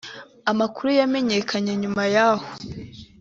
Amakuru yamenyekanye nyuma yaho